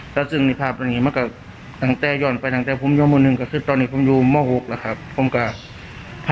ครับอย่างที่เรารู้ต่างจังหวัดเนี่ยเขาบอกปารบวชเนญน่ะอย่างถ้าสมมติไปภาคเดือนเราจะเห็นเยอะไหมครับ